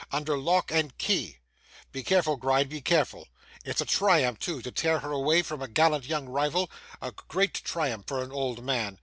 under lock and key. Be careful, Gride, be careful. It's a triumph, too, to tear her away from a gallant young rival: a great triumph for an old man!